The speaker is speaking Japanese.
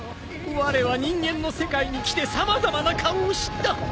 われは人間の世界に来て様々な顔を知った。